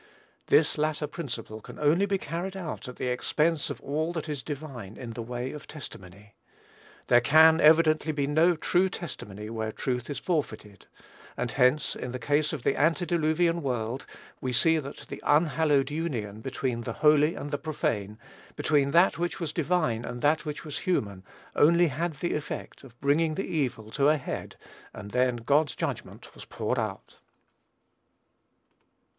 This latter principle can only be carried out at the expense of all that is divine in the way of testimony. There can, evidently, be no true testimony where truth is forfeited; and hence, in the case of the antediluvian world, we see that the unhallowed union between the holy and the profane between that which was divine and that which was human only had the effect of bringing the evil to a head, and then God's judgment was poured out.